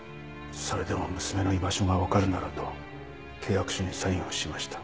それでも娘の居場所がわかるならと契約書にサインをしました。